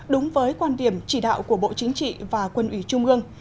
đúng với quan điểm chỉ đạo của bộ chính trị và quân ủy trung ương